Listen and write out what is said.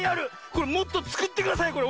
これもっとつくってください！